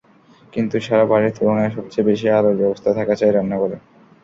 কিন্তু সারা বাড়ির তুলনায় সবচেয়ে বেশি আলোর ব্যবস্থা থাকা চাই রান্নাঘরে।